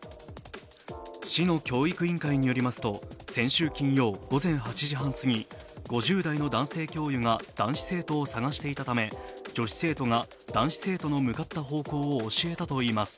市の教育委員会によりますと先週金曜、午前８時半すぎ５０代の男性教諭が男子生徒を捜していたため女子生徒が男子生徒の向かった方向を教えたといいます。